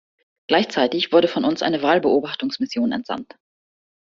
Gleichzeitig wurde von uns eine Wahlbeobachtungsmission entsandt.